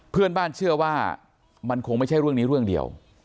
เพื่อนบ้านเชื่อว่ามันคงไม่ใช่เรื่องนี้เรื่องเดียว